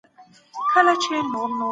د طبیعت ښکلا هم اوښکې راولي.